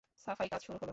সাফাইকাজ শুরু হলো।